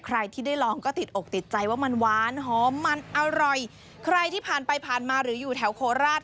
ใครที่ได้ลองก็ติดอกติดใจว่ามันหวานหอมมันอร่อยใครที่ผ่านไปผ่านมาหรืออยู่แถวโคราช